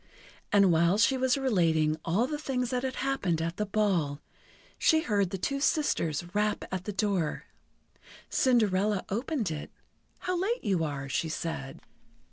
And while she was relating all the things that had happened at the ball, she heard the two sisters rap at the door. Cinderella opened it. "How late you are," she said.